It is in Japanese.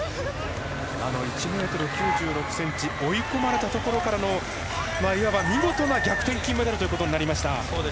１ｍ９６ｃｍで追い込まれたところからのいわば見事な逆転金メダルということになりました。